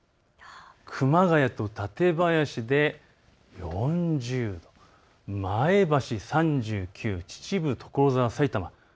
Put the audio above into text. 熊谷と館林で４０度、前橋３９、秩父、所沢、さいたま３８。